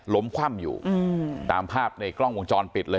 คว่ำอยู่ตามภาพในกล้องวงจรปิดเลย